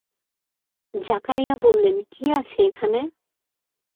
জাকারিয়া বললেন, কি আছে এখানে?